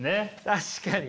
確かに。